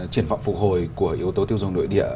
triển vọng phục hồi của yếu tố tiêu dùng nội địa